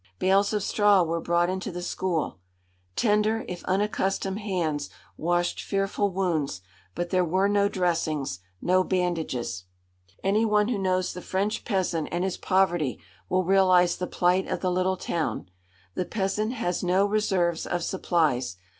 Bales of straw were brought into the school. Tender, if unaccustomed, hands washed fearful wounds, but there were no dressings, no bandages. Any one who knows the French peasant and his poverty will realise the plight of the little town. The peasant has no reserves of supplies.